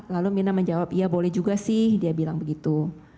lalu mirna menjawab ya boleh juga sih dia bilang begitu